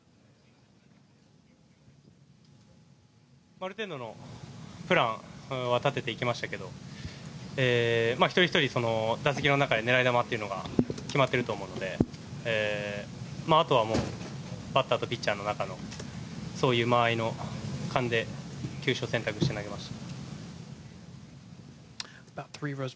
ある程度のプランは立てていきましたけど一人ひとり打席の中で狙い球というのが決まっていると思うのであとはバッターとピッチャーの中のそういう間合いの勘で球種を選択して投げました。